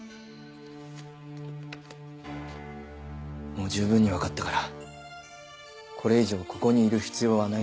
もう十分にわかったからこれ以上ここにいる必要はない。